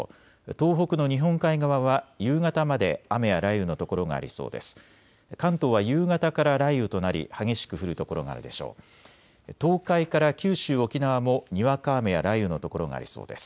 東北の日本海側は夕方まで雨や雷雨の所がありそうです。